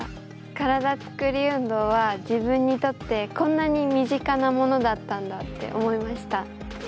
体つくり運動は自分にとってこんなに身近なものだったんだって思いました。